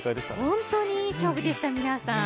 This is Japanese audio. ほんとにいい勝負でした皆さん